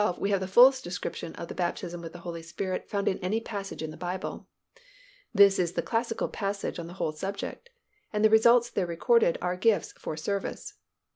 we have the fullest discussion of the baptism with the Holy Spirit found in any passage in the Bible. This is the classical passage on the whole subject. And the results there recorded are gifts for service.